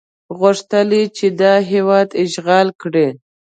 غوښتل یې چې دا هېواد اشغال کړي.